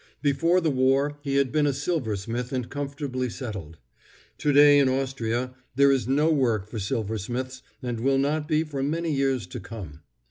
Before the war he had been a silversmith and comfortably settled. Today in Austria there is no work for silversmiths and will not be for many years to come.